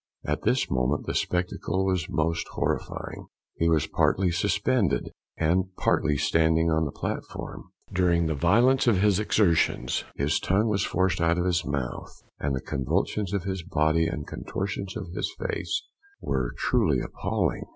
At this moment the spectacle was most horrifying he was partly suspended, and partly standing on the platform. During the violence of his exertions, his tongue was forced out of his mouth, and the convulsions of his body and contortions of his face were truly appalling.